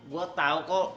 gue tau kok